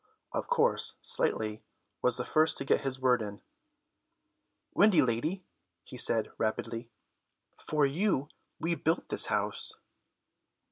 Of course Slightly was the first to get his word in. "Wendy lady," he said rapidly, "for you we built this house."